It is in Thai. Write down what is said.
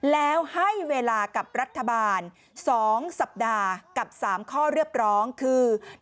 แล้วให้เวลากับรัฐบาล๒สัปดาห์กับ๓ข้อเรียกร้องคือ